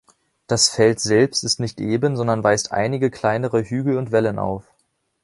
Das Feld selbst ist nicht eben, sondern weist einige kleinere Hügel und Wellen auf.